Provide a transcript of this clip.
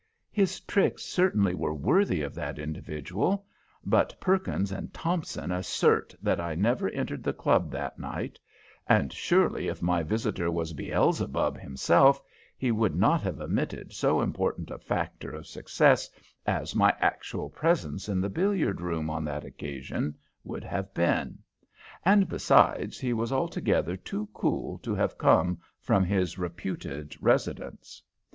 His tricks certainly were worthy of that individual; but Perkins and Tompson assert that I never entered the club that night, and surely if my visitor was Beelzebub himself he would not have omitted so important a factor of success as my actual presence in the billiard room on that occasion would have been; and, besides, he was altogether too cool to have come from his reputed residence.